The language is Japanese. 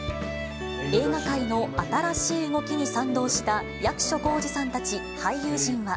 映画界の新しい動きに賛同した役所広司さんたち俳優陣は。